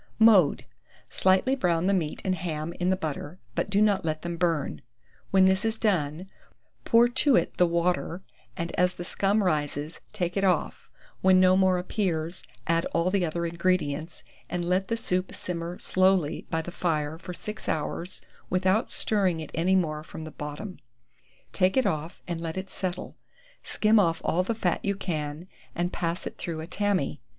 Mode. Slightly brown the meat and ham in the butter, but do not let them burn. When this is done, pour to it the water, and as the scum rises, take it off; when no more appears, add all the other ingredients, and let the soup simmer slowly by the fire for 6 hours without stirring it any more from the bottom; take it off, and let it settle; skim off all the fat you can, and pass it through a tammy.